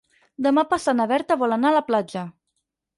Demà passat na Berta vol anar a la platja.